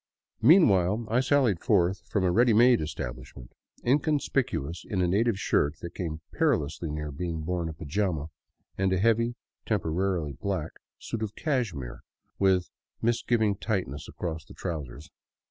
Meanwhile I sallied forth from a ready made establishment, inconspicuous in a native shirt that came perilously near being born a pajama and a heavy, temporarily black, suit of " cashmere " with a misgiving tightness across the trousers.